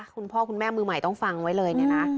คุณพ่อคุณแม่มือใหม่ต้องฟังไว้เลยเนี่ยนะ